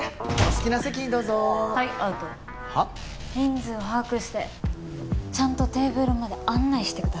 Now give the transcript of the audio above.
人数を把握してちゃんとテーブルまで案内してください。